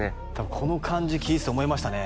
この感じ聞いてて思いましたね